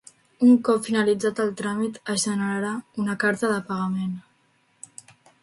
Un cop finalitzat el tràmit es generarà una carta de pagament.